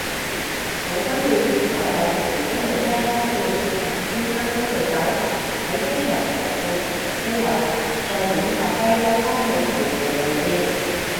冇分別，所有屯門公路車都要轉行青山公路走，睇車長入到屯門區內再點發揮兜返去原定路線